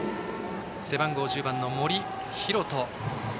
背番号１０番の森寛斗。